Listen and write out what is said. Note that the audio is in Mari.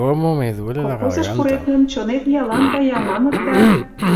Колхозышко пурет гын, чонет иялан кая, маныт да...